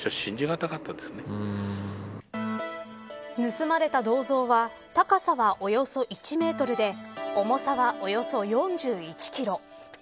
盗まれた銅像は高さはおよそ１メートルで重さはおよそ４１キロ。